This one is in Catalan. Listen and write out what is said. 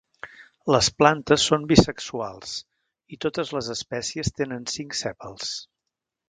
Les plantes són bisexuals, i totes les espècies tenen cinc sèpals.